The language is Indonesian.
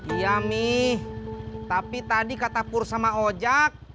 iya mi tapi tadi kata pur sama ojak